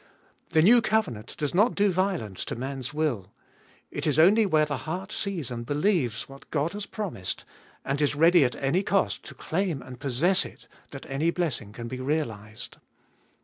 The new covenant does not do violence to man's will. It is only where the heart sees and believes what God has promised, and is ready at any cost to claim and possess it, that any blessing can be realised.